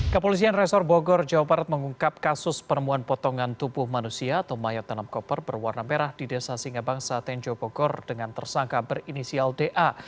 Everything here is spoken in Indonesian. kepolisian resor bogor jawa barat mengungkap kasus penemuan potongan tubuh manusia atau mayat tanam koper berwarna merah di desa singabangsa tenjo bogor dengan tersangka berinisial da